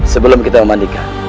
sebelum kita memandikan